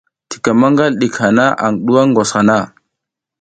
Tika maƞgal ɗik na aƞ ɗuwa ngwas hana.